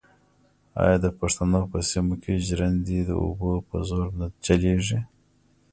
آیا د پښتنو په سیمو کې ژرندې د اوبو په زور نه چلېږي؟